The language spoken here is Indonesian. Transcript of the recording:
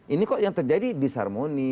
ini kok yang terjadi disharmoni